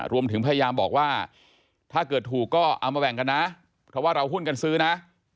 รวมถึงพยายามบอกว่าถ้าเกิดถูกก็เอามาแบ่งกันนะเพราะว่าเราหุ้นกันซื้อนะ